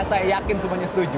saya yakin semuanya setuju